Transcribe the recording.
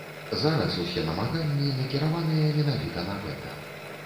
Зараз усе намаганні накіраваныя менавіта на гэта.